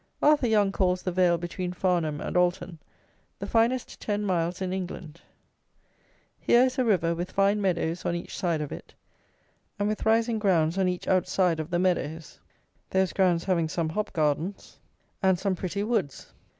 Arthur Young calls the vale between Farnham and Alton the finest ten miles in England. Here is a river with fine meadows on each side of it, and with rising grounds on each outside of the meadows, those grounds having some hop gardens and some pretty woods.